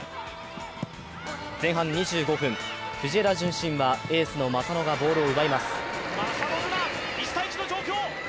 前半２５分、藤枝順心はエースの正野がボールを奪います。